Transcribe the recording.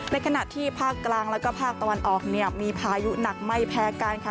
ในขณะที่ภาคกลางแล้วก็ภาคตะวันออกเนี่ยมีพายุหนักไม่แพ้กันค่ะ